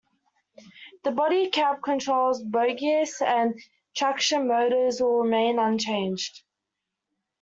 The body, cab controls, bogies, and traction motors will remain unchanged.